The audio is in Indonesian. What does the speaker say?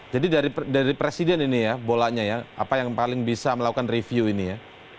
jadi dari presiden ini ya bolanya ya apa yang paling bisa melakukan review ini ya